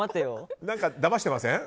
何か、だましてません？